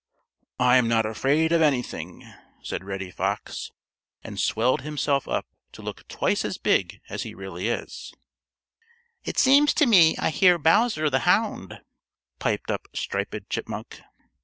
"I'm not afraid of anything," said Reddy Fox, and swelled himself up to look twice as big as he really is. "It seems to me I hear Bowser the Hound," piped up Striped Chipmunk. [Illustration: "Pooh," exclaimed Reddy Fox.